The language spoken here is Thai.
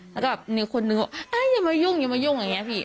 แล้วก็มีคนนึงบอกอย่ามายุ่งอย่ามายุ่งอย่างนี้พี่